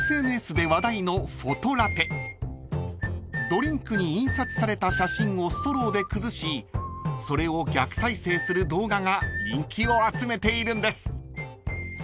［ドリンクに印刷された写真をストローで崩しそれを逆再生する動画が人気を集めているんです］